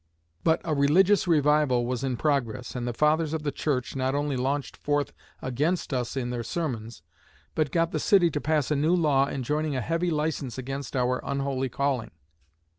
But "a religious revival was in progress, and the fathers of the church not only launched forth against us in their sermons, but got the city to pass a new law enjoining a heavy license against our 'unholy' calling.